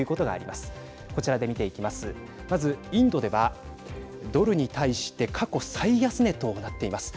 まず、インドではドルに対して過去最安値となっています。